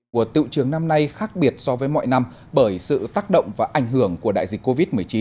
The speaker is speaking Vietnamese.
mùa tiệu trường năm nay khác biệt so với mọi năm bởi sự tác động và ảnh hưởng của đại dịch covid một mươi chín